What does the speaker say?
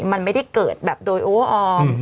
มันไม่ได้เกิดแบบโดยโอออม